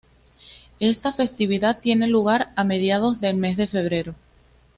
Esta festividad tiene lugar, a mediados del mes de febrero.